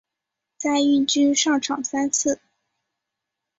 在一军上场三次。